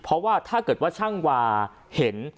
เพราะว่าถ้าเกิดว่าช่างวาเห็น